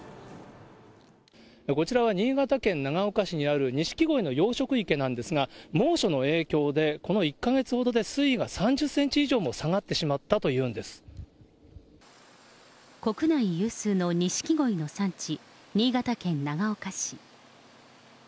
こちらは新潟県長岡市にあるニシキゴイの養殖池なんですが、猛暑の影響で、この１か月ほどで水位が３０センチ以上も下がってしまったという国内有数のニシキゴイの産地、新潟県長岡市。